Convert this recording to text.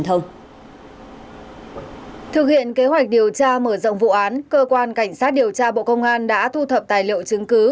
thực hiện kế hoạch điều tra mở rộng vụ án cơ quan cảnh sát điều tra bộ công an đã thu thập tài liệu chứng cứ